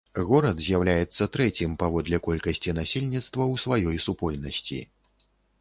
Горад з'яўляецца трэцім паводле колькасці насельніцтва ў сваёй супольнасці.